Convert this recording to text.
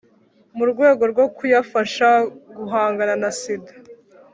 mu rwego rwo kuyafasha guhangana na sida